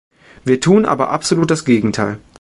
Wir tun aber absolut das Gegenteil.